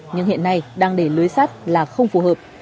nhưng hiện nay đang để lưới sắt là không phù hợp